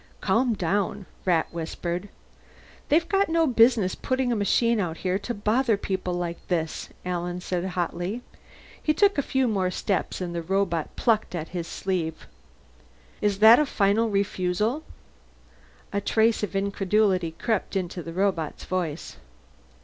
"Calm down," Rat whispered. "They've got no business putting a machine out here to bother people like this," Alan said hotly. He took a few more steps and the robot plucked at his sleeve. "Is that a final refusal?" A trace of incredulity crept into the robot's voice.